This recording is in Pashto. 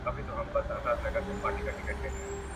ته څه وخت مطالعه کوې؟